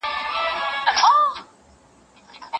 زما یې له ازله په پانوس کي نوم لیکلی دی